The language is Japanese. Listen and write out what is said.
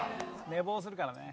寝坊するからね。